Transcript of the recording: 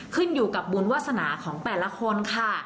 ขึ้นอยู่กับบุญวาสนาของแต่ละคนค่ะ